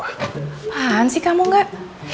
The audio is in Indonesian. apaan sih kamu gak